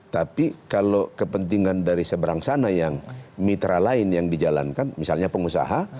tapi kalau kepentingan dari seberang sana yang mitra lain yang dijalankan misalnya pengusaha